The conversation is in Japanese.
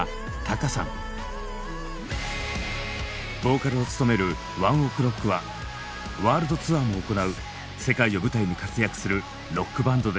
ボーカルを務めるＯＮＥＯＫＲＯＣＫはワールドツアーも行う世界を舞台に活躍するロックバンドです。